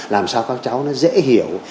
làm sao các cháu nó dễ hiểu